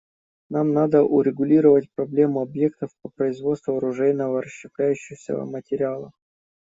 Нам надо урегулировать проблему объектов по производству оружейного расщепляющегося материала.